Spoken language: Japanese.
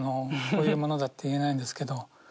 こういうものだって言えないんですけど。